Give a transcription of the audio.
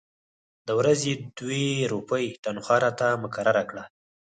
د ورځې دوې روپۍ تنخوا راته مقرره کړه.